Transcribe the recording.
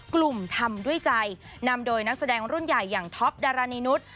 ทำด้วยใจนำโดยนักแสดงรุ่นใหญ่อย่างท็อปดารานีนุษย์